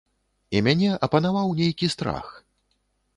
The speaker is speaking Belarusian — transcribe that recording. І мяне апанаваў нейкі страх.